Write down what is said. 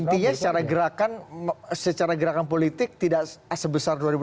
intinya secara gerakan secara gerakan politik tidak sebesar dua ribu empat belas